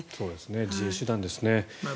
自衛手段ですね。